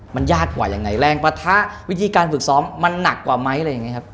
มันยากกว่ายังไงแรงประทะวิธีการฝึกซ้อมมันหนักกว่ามั้ย